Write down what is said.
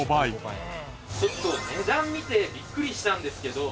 ちょっと値段見てビックリしたんですけど。